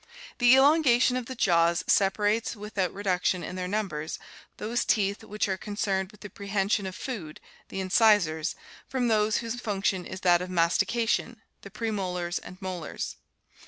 The elongation of the jaws separates without re duction in their numbers those teeth which are concerned with the prehension of food — the incisors — from those whose function is that of mastication — the premolars and molars.